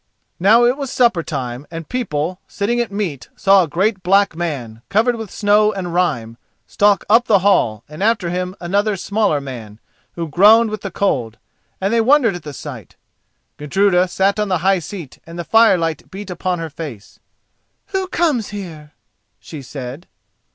Now it was supper time, and people, sitting at meat, saw a great black man, covered with snow and rime, stalk up the hall, and after him another smaller man, who groaned with the cold, and they wondered at the sight. Gudruda sat on the high seat and the firelight beat upon her face. "Who comes here?" she said.